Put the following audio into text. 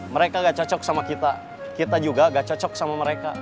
mereka gak cocok sama kita kita juga gak cocok sama mereka